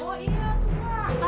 oh iya tuh pak